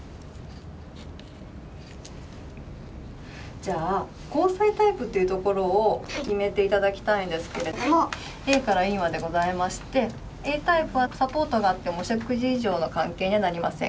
じゃあ交際タイプっていうところを決めて頂きたいんですけれどもＡからＥまでございましてＡタイプはサポートがあってもお食事以上の関係にはなりません。